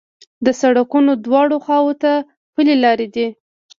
د سړکونو دواړو خواوو ته پلي لارې دي.